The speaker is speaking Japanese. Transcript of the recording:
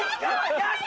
やった！